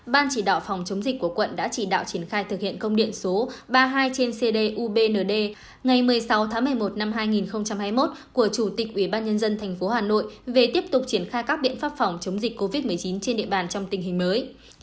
ban chỉ đạo phòng chống dịch của quận đã chỉ đạo triển khai thực hiện công điện số ba mươi hai trên cdubnd ngày một mươi sáu tháng một mươi một năm hai nghìn hai mươi một của chủ tịch ubnd tp hà nội về tiếp tục triển khai các biện pháp phòng chống dịch covid một mươi chín trên địa bàn trong tình hình mới